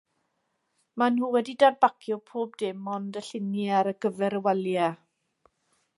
Maen nhw wedi dadbacio pob dim ond y lluniau ar gyfer y waliau.